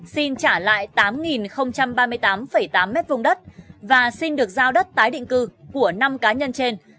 xin trả lại tám ba mươi tám tám m hai đất và xin được giao đất tái định cư của năm cá nhân trên